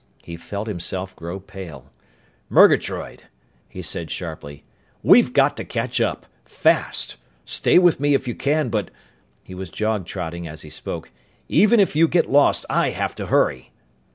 He felt himself grow pale. "Murgatroyd!" he said sharply. "We've got to catch up! Fast! Stay with me if you can, but " he was jog trotting as he spoke "even if you get lost I have to hurry!"